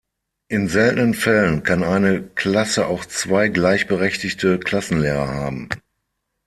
In seltenen Fällen kann eine Klasse auch zwei gleichberechtigte Klassenlehrer haben.